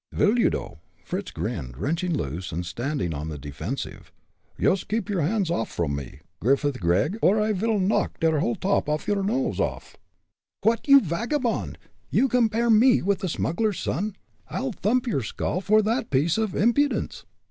"Vil you, dough!" Fritz grinned, wrenching loose, and standing on the defensive. "Yoost you keep your hands off vrom me, Griffith Gregg, or I vil knock der whole top off your nose off." "What! you vagabond! you compare me with the smuggler's son? I'll thump your skull for that piece of impudence."